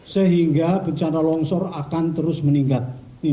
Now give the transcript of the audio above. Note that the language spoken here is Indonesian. sehingga bencana longsor akan terus meningkat